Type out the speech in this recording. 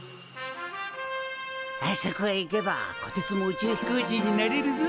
あそこへ行けばこてつも宇宙飛行士になれるぞ。